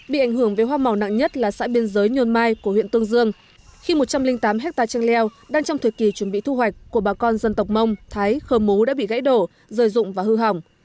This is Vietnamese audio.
bị ảnh hưởng với hoa màu nặng nhất là xã biên giới nhôn mai của huyện tương dương khi một trăm linh tám hectare trang leo đang trong thời kỳ chuẩn bị thu hoạch của bà con dân tộc mông thái khờ mú đã bị gãy đổ rời rụng và hư hỏng